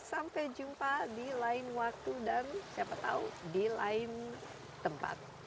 sampai jumpa di lain waktu dan siapa tahu di lain tempat